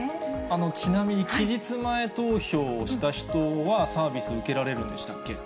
ちなみに期日前投票をした人は、サービス受けられるんでしたっけ？